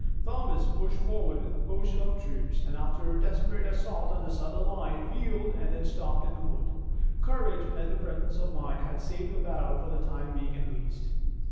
Thomas pushed forward with a portion of the troops, and after a desperate assault the Southern line reeled and then stopped in the wood. Courage and presence of mind had saved a battle for the time being, at least.